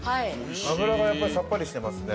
脂がさっぱりしてますね。